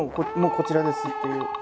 「こちらです」っていう。